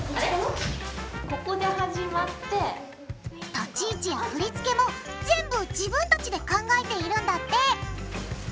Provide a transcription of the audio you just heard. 立ち位置や振り付けも全部自分たちで考えているんだって！